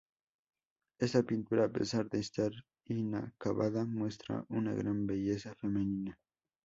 Esta pintura, a pesar de estar inacabada, muestra una gran belleza femenina.